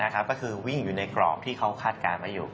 ก็คือวิ่งอยู่ในกรอบที่เขาคาดการณ์ไว้อยู่